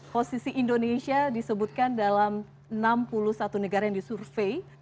posisi indonesia disebutkan dalam enam puluh satu negara yang disurvey